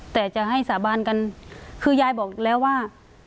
แต่จะให้สาบานกันคือยายบอกแล้วว่า